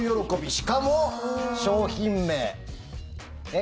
しかも、商品名。